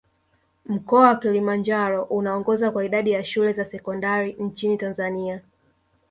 Mkoa wa Kilimanjaro unaongoza kwa idadi ya shule za sekondari nchini Tanzania